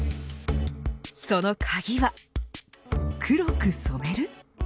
その鍵は黒く染める。